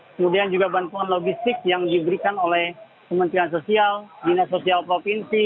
kemudian juga bantuan logistik yang diberikan oleh kementerian sosial dinas sosial provinsi